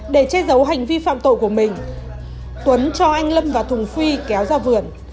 để che giấu hành vi phạm tội của mình tuấn cho anh lâm và thùng phi kéo ra vườn